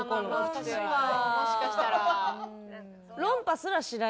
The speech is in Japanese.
私ももしかしたら。